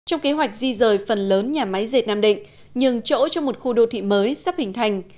trong kế hoạch di rời phần lớn nhà máy dệt nam định nhường chỗ cho một khu đô thị mới sắp hình thành